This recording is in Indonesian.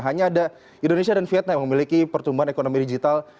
hanya ada indonesia dan vietnam yang memiliki pertumbuhan ekonomi digital